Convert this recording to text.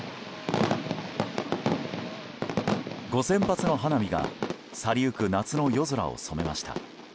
５０００発の花火が去りゆく夏の夜空を染めました。